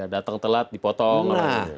datang telat dipotong